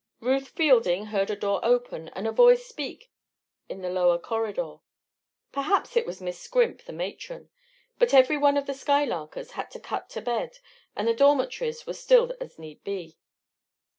Ruth Fielding heard a door open and a voice speak in the lower corridor. Perhaps it was Miss Scrimp, the matron. But every one of the skylarkers had cut to bed, and the dormitories were as still as need be.